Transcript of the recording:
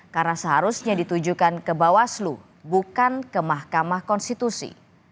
karena seharusnya ditujukan ke bawah selu bukan ke mahkamah konstitusi